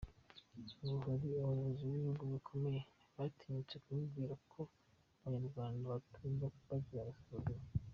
Ngo hari abayobozi b’ibihugu bikomeye batinyutse kumubwira ko abanyarwanda batumva bagira agasuzuguro.